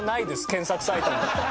検索サイトに。